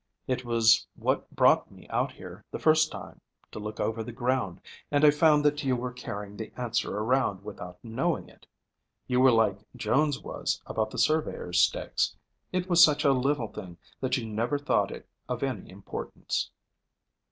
"It was what brought me out here the first time to look over the ground, and I found that you were carrying the answer around without knowing it. You were like Jones was about the surveyors' stakes. It was such a little thing that you never thought it of any importance."